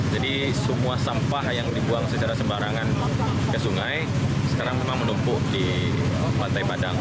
jadi semua sampah yang dibuang secara sembarangan ke sungai sekarang memang menumpuk di pantai padang